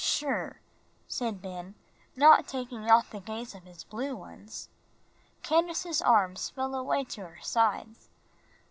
"Sure," said Ben, not taking off the gaze of his blue ones. Candace's arms fell away to her sides.